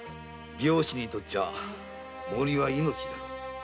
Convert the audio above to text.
漁師にとっちゃ銛は命だろ。